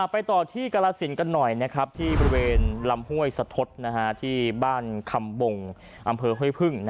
ไปต่อจะกรสินกันหน่อยตรงประเมนลำห้วยสธตที่บ้านขำบงอำเภอเฮ้ยพึ่ง